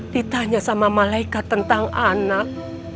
ditanya sama malaikat tentang anak